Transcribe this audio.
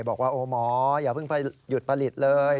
บอกว่าโอ้หมออย่าเพิ่งไปหยุดผลิตเลย